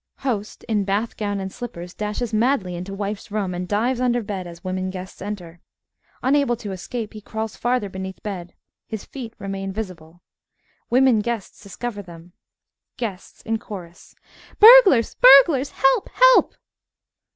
(HOST, _in bath gown and slippers, dashes madly into wife's room, and dives under bed as women guests enter. Unable to escape, he crawls farther beneath bed. His feet remain visible. Women guests discover them._) GUESTS (in chorus) Burglars! burglars! Help! help!